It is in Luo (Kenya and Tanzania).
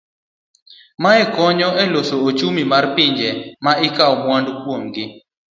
Mae konyo e loso uchumi mar pinje ma ikawo mwandu kuom gi.